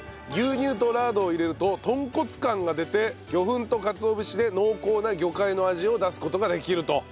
牛乳とラードを入れると豚骨感が出て魚粉とかつお節で濃厚な魚介の味を出す事ができると。